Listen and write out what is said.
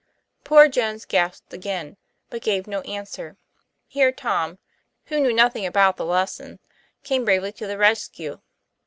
Poor Jones gasped again, but gave no answer. Here Tom (who knew nothing about the lesson) came bravely to the rescue.